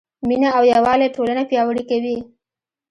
مینه او یووالی ټولنه پیاوړې کوي.